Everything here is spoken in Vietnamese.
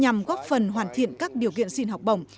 nhằm góp phần hoàn thiện các điều kiện xin học bổng